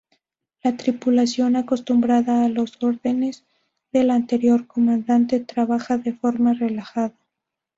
La tripulación, acostumbrada a las órdenes del anterior comandante, trabaja de forma relajada.